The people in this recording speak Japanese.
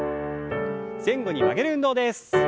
前後に曲げる運動です。